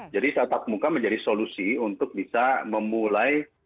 jadi tatap muka menjadi solusi untuk bisa memulai